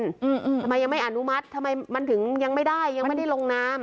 ทำไมยังไม่อนุมัติทำไมมันถึงยังไม่ได้ยังไม่ได้ลงนาม